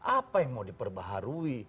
apa yang mau diperbaharui